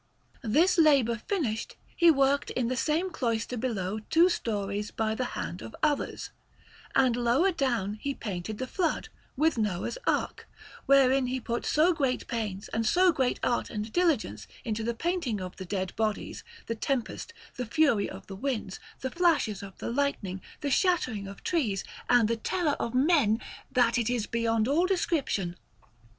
This labour finished, he worked in the same cloister below two stories by the hand of others; and lower down he painted the Flood, with Noah's Ark, wherein he put so great pains and so great art and diligence into the painting of the dead bodies, the tempest, the fury of the winds, the flashes of the lightning, the shattering of trees, and the terror of men, that it is beyond all description.